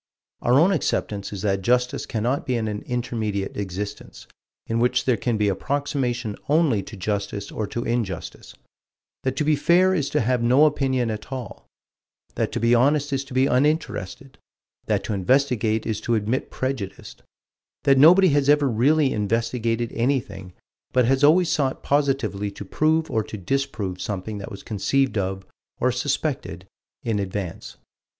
Our own acceptance is that justice cannot be in an intermediate existence, in which there can be approximation only to justice or to injustice; that to be fair is to have no opinion at all; that to be honest is to be uninterested; that to investigate is to admit prejudice; that nobody has ever really investigated anything, but has always sought positively to prove or to disprove something that was conceived of, or suspected, in advance.